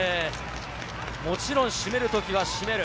もちろん締めるときは締める。